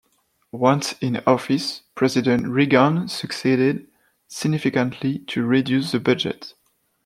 Once in office, President Reagan succeeded significantly to reduce the budget.